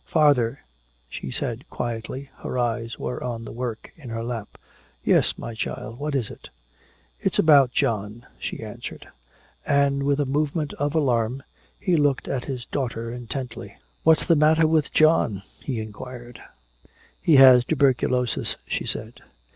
"Father," she said quietly. Her eyes were on the work in her lap. "Yes, my child, what is it?" "It's about John," she answered. And with a movement of alarm he looked at his daughter intently. "What's the matter with John?" he inquired. "He has tuberculosis," she said.